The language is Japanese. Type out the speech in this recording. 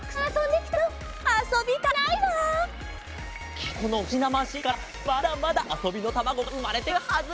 きっとこのふしぎなマシーンからまだまだあそびのたまごがうまれてくるはず！